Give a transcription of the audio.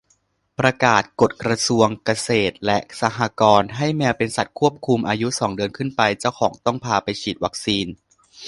ประกาศกฎกระทรวงเกษตรและสหกรณ์ ให้แมวเป็นสัตว์ควบคุม อายุสองเดือนขึ้นไปเจ้าของต้องพาไปฉีดวัคซีน